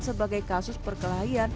sebagai kasus perkembangan